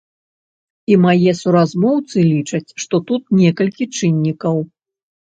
І мае суразмоўцы лічаць, што тут некалькі чыннікаў.